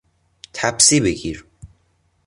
تپسی بگیر